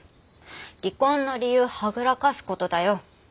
離婚の理由はぐらかすことだよ。